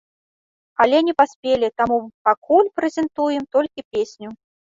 Але не паспелі, таму пакуль прэзентуем толькі песню.